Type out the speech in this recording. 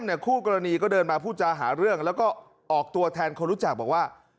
คู่กรณีก็เดินมาพูดจาหาเรื่องแล้วก็ออกตัวแทนคนรู้จักบอกว่า